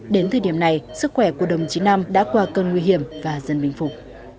đến thời điểm này sức khỏe của đồng chí năm đã qua cơn nguy hiểm và dân bình phục